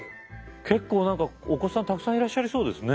結構何かお子さんたくさんいらっしゃりそうですね？